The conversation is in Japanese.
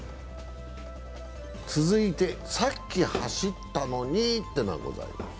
続いて、さっき走ったのにというのがございます。